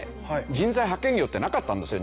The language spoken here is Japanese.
人材派遣業ってなかったんですよ